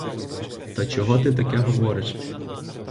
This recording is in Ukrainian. Та чого ти таке говориш?